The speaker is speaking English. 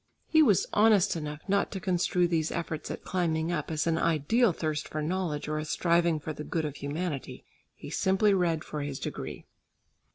He was honest enough not to construe these efforts at climbing up as an ideal thirst for knowledge or a striving for the good of humanity. He simply read for his degree.